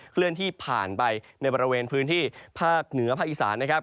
เคลื่อนที่ผ่านไปในบริเวณพื้นที่ภาคเหนือภาคอีสานนะครับ